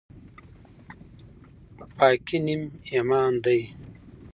پاکي نیم ایمان دی